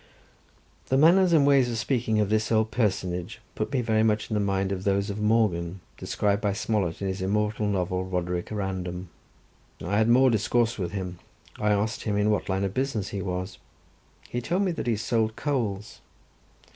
The manners and way of speaking of this old personage put me very much in mind of those of Morgan, described by Smollett in his immortal novel of Roderick Random. I had more discourse with him: I asked him in what line of business he was—he told me that he sold coals.